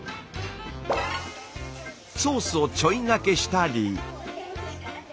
ソースをちょいがけしたり。